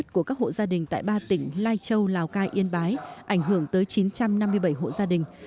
các hộ gia đình tại ba tỉnh lai châu lào cai yên bái ảnh hưởng tới chín trăm năm mươi bảy hộ gia đình